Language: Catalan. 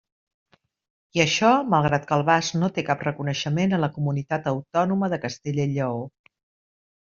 I això malgrat que el basc no té cap reconeixement en la comunitat autònoma de Castella i Lleó.